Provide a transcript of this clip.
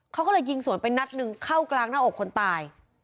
เขาก็เลยยิงสวนไปนัดหนึ่งเข้ากลางหน้าอกคนตาย